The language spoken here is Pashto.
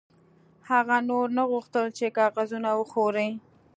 هغه نور نه غوښتل چې کاغذونه وخوري